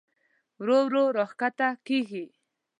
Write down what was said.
ورو ورو راښکته کېږي.